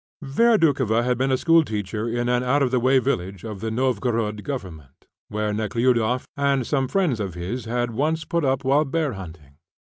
Vera Doukhova had been a school teacher in an out of the way village of the Novgorod Government, where Nekhludoff and some friends of his had once put up while bear hunting.